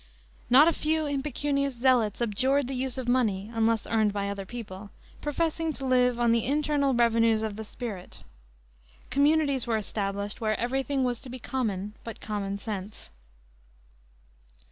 ... Not a few impecunious zealots abjured the use of money (unless earned by other people), professing to live on the internal revenues of the spirit. ... Communities were established where every thing was to be common but common sense."